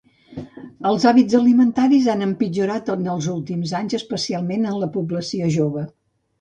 Els hàbits alimentaris han empitjorat en els últims anys, especialment en la població jove.